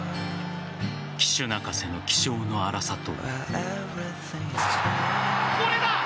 騎手泣かせの気性の荒さと。